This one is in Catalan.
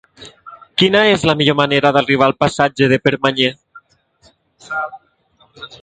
Quina és la millor manera d'arribar al passatge de Permanyer?